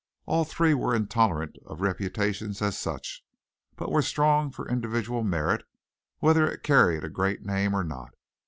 All three were intolerant of reputations as such, but were strong for individual merit whether it carried a great name or not.